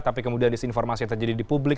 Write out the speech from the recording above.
tapi kemudian disinformasi yang terjadi di publik